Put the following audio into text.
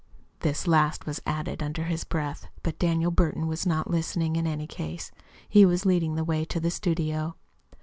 This last was added under his breath; but Daniel Burton was not listening, in any case. He was leading the way to the studio.